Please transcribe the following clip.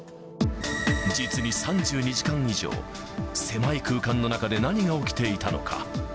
実に３２時間以上、狭い空間の中で何が起きていたのか。